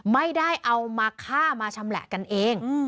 ไม่ได้เอามาฆ่ามาชำแหละกันเอง